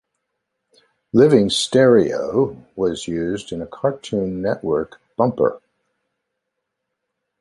"Living Stereo" was used in a Cartoon Network bumper.